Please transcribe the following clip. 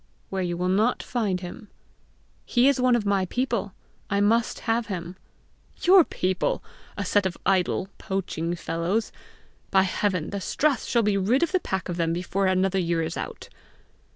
"Where you will not find him." "He is one of my people; I must have him!" "Your people! A set of idle, poaching fellows! By heaven, the strath shall be rid of the pack of them before another year is out!"